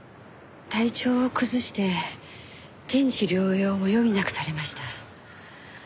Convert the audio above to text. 体調を崩して転地療養を余儀なくされました。